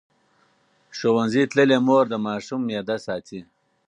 ښوونځې تللې مور د ماشوم معده ساتي.